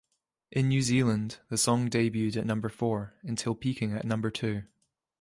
In New Zealand, the song debuted at number four, until peaking at number two.